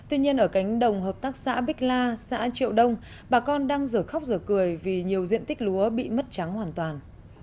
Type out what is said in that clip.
tuy nhiên ở cánh đồng hợp tác xã bích la xã triệu đông bà con đang dở khóc giờ cười vì nhiều diện tích lúa bị mất trắng hoàn toàn